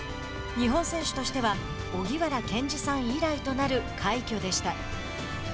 日本選手としては、荻原健司さん以来となる快挙でした。